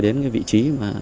đến vị trí